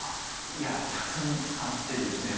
いやたくさんあってですね。